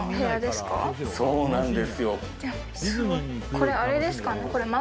これあれですかね。